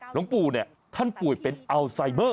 หลวงปู่เนี่ยท่านป่วยเป็นอัลไซเบอร์